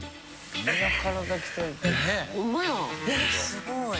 すごい。